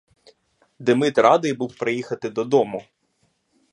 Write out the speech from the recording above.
Демид радий був приїхати додому.